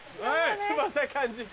翼感じて。